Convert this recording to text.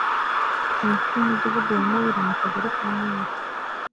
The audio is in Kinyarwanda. umukuru w’Umudugudu wa Muyira mu kagari ka Muyira